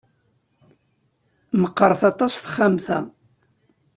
Meqqret aṭas texxamt-a.